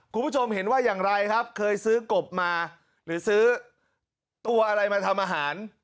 คุณผู้ชมเห็นว่าอย่างไรครับเคยซื้อกบมาหรือซื้อตัวอะไรมาทำอาหาร